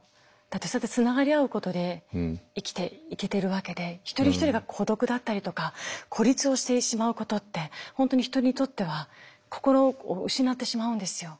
そうやってつながり合うことで生きていけてるわけで一人一人が孤独だったりとか孤立をしてしまうことって本当に人にとっては心を失ってしまうんですよ。